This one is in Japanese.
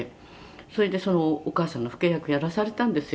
「それでそのお母さんの父兄役やらされたんですよ」